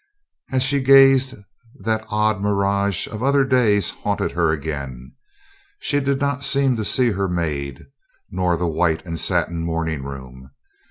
As she gazed that odd mirage of other days haunted her again. She did not seem to see her maid, nor the white and satin morning room.